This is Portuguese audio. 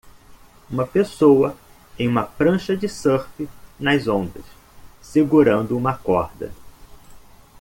Uma pessoa em uma prancha de surf nas ondas? segurando uma corda.